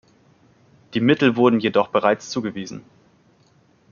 Die Mittel wurden jedoch bereits zugewiesen.